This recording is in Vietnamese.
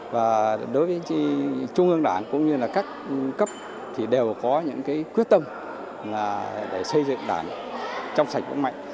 và đối với trung ương đảng cũng như là các cấp thì đều có những quyết tâm để xây dựng đảng trong sạch vững mạnh